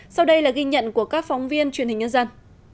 sau đây là ghi nhận của các phóng viên truyền hình nhân dân